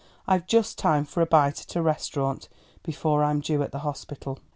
I've just time for a bite at a restaurant before I'm due at the hospital."